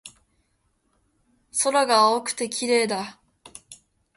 空が青くて綺麗だ